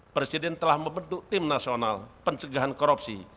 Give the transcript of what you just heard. presiden telah membentuk tim nasional pencegahan korupsi